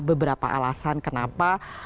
beberapa alasan kenapa